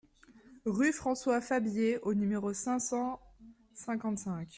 Rue François Fabié au numéro cinq cent cinquante-cinq